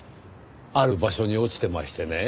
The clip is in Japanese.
ある場所に落ちてましてね